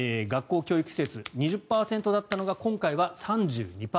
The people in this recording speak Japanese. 学校・教育施設２０％だったのが今回は３２％。